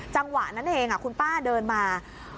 จังหวะนั้นเองคุณป้าเดินมา